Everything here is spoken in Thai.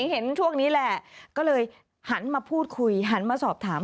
เห็นช่วงนี้แหละก็เลยหันมาพูดคุยหันมาสอบถาม